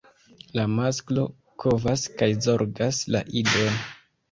La masklo kovas kaj zorgas la idon.